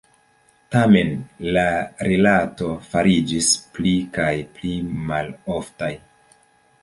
Tamen, la rilatoj fariĝis pli kaj pli maloftaj.